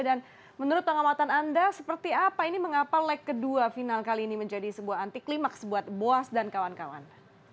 dan menurut pengamatan anda seperti apa ini mengapa lag kedua final kali ini menjadi sebuah anti klimaks buat boas dan kawan kawan